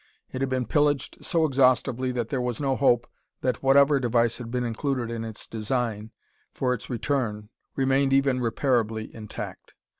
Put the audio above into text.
It had been pillaged so exhaustively that there was no hope that whatever device had been included in its design, for its return, remained even repairably intact.